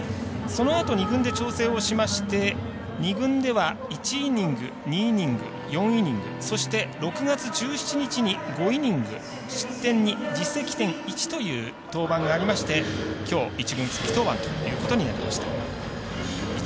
そのあと２軍で調整をしまして２軍では１イニング２イニング、４イニングそして６月１７日に５イニング失点２、自責点１という登板がありましてきょう１軍復帰登板となりました。